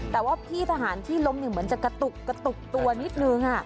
แต่ว่าพี่ทหารที่ล้มหนึ่งเหมือนจะกระตุกตัวนิดหนึ่ง